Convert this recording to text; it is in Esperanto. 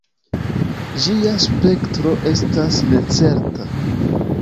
Ĝia spektro estas necerta.